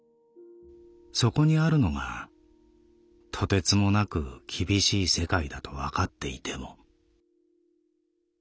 そこにあるのがとてつもなく厳しい世界だとわかっていても」。